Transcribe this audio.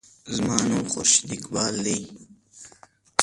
زما نوم خورشید اقبال دے.